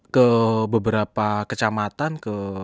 ke beberapa kecamatan ke